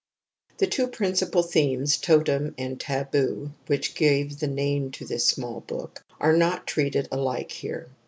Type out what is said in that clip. The two principal themes, totem and taboo, which give the name to this small book are not treated alike here.